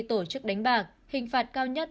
tổ chức đánh bạc hình phạt cao nhất